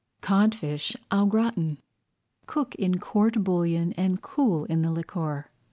CODFISH AU GRATIN Cook in court bouillon and cool in the liquor.